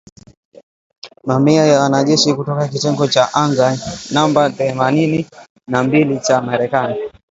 Mamia ya wanajeshi kutoka kitengo cha anga namba themanini na mbili cha Marekani